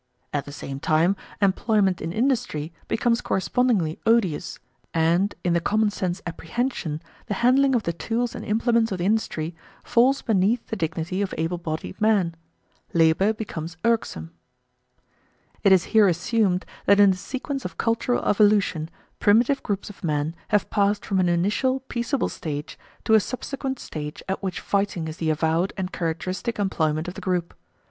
At the same time, employment in industry becomes correspondingly odious, and, in the common sense apprehension, the handling of the tools and implements of industry falls beneath the dignity of able bodied men. Labour becomes irksome. It is here assumed that in the sequence of cultural evolution primitive groups of men have passed from an initial peaceable stage to a subsequent stage at which fighting is the avowed and characteristic employment of the group.